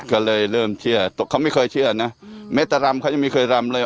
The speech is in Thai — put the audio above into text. ก็เลยเริ่มเชื่อเขาไม่เคยเชื่อนะแม้แต่รำเขายังไม่เคยรำเลย